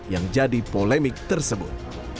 yang jadi polemik tersebut